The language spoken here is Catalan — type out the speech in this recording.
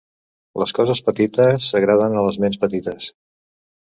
Les coses petites agraden a les ments petites.